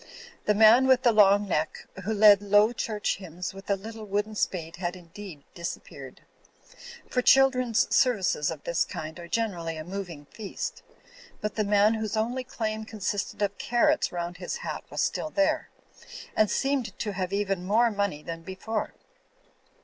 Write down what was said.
The man with THE SIGN OF "THE OLD SHIF' 37 the long neck who led Low Church hymns with a little wooden spade had indeed disappeared; for children's services of this kind are generally a moving feast ; but the man whose only claim consisted of carrots round his hat was still there ; and seemed to have even more money than before.